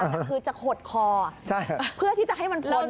แต่คือจะขดคอเพื่อที่จะให้มันพล